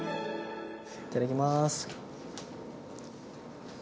いただきます。